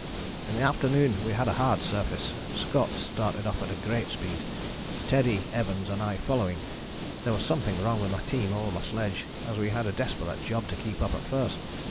" "In the afternoon we had a hard surface. Scott started off at a great speed, Teddy [Evans] and I following. There was something wrong with my team or my sledge, as we had a desperate job to keep up at first.